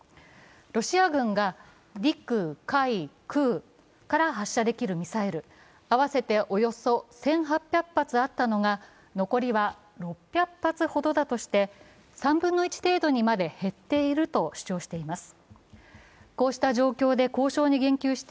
ロシア軍が陸海空から発射できるミサイル、合わせておよそ１８００発あったのが残りは６００発ほどだとして３分の１程度にまで減っていると主張しています。